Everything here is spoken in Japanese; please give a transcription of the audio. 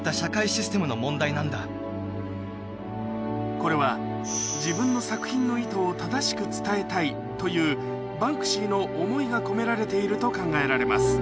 これは自分の作品のというバンクシーの思いが込められていると考えられます